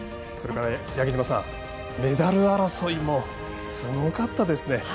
それから、八木沼さんメダル争いもすごかったですね。